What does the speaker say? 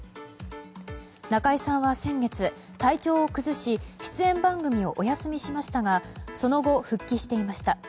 中居さんは先月、体調を崩し出演番組をお休みしましたがその後、復帰していました。